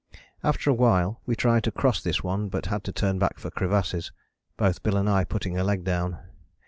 After a while we tried to cross this one, but had to turn back for crevasses, both Bill and I putting a leg down.